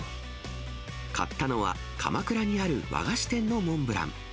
買ったのは、鎌倉にある和菓子店のモンブラン。